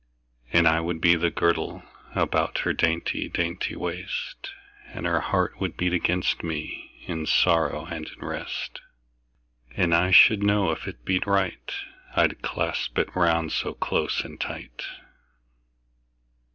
And I would be the girdle About her dainty dainty waist, And her heart would beat against me, In sorrow and in rest: 10 And I should know if it beat right, I'd clasp it round so close and tight.